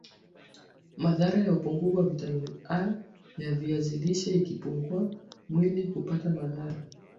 Madhara ya upungufu wa vitamin A ya viazi lishe ikipungua mwili hupata madhara